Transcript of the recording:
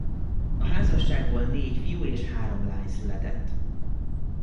A házasságból négy fiú és három lány született.